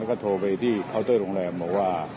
ก็โทรไปที่เคาน์เตอร์โรงแรมบอกว่า